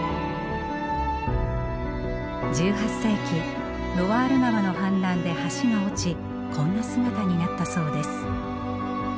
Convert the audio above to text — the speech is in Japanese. １８世紀ロワール川の氾濫で橋が落ちこんな姿になったそうです。